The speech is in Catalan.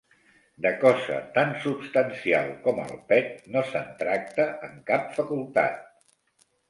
De cosa tan substancial com el pet, no se'n tracta en cap facultat.